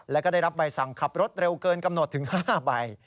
แล้วก็ได้รับใบสั่งขับรถเร็วเกินกำหนดถึง๕ใบ